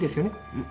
うん？